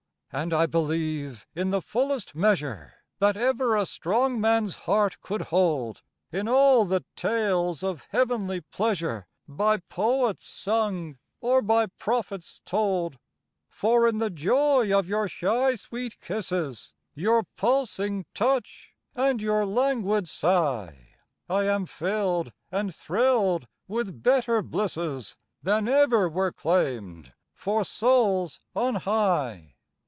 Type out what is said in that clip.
And I believe, in the fullest measure That ever a strong man's heart could hold, In all the tales of heavenly pleasure By poets sung or by prophets told; For in the joy of your shy, sweet kisses, Your pulsing touch and your languid sigh I am filled and thrilled with better blisses Than ever were claimed for souls on high.